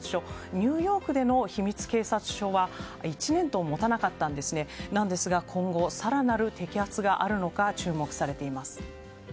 ニューヨークでの秘密警察署は１年ともたなかったんですが今後、更なる摘発があるのか注目されています。